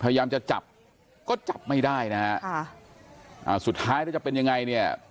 พยายามจะจับก็จับไม่ได้นะฮะค่ะอ่าสุดท้ายแล้วจะเป็นยังไงเนี่ย